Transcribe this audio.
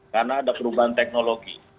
karena ada perubahan teknologi